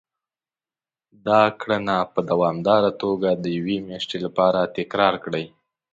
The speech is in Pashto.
دا کړنه په دوامداره توګه د يوې مياشتې لپاره تکرار کړئ.